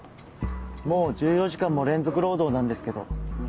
もう１４時間も連続労働なんですけど。